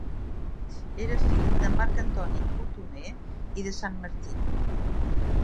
Era fill de Marc Antoni Cotoner i de Santmartí.